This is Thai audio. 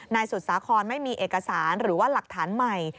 สุดสาครไม่มีเอกสารหรือว่าหลักฐานใหม่